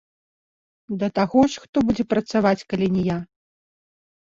Да таго ж, хто будзе працаваць, калі не я?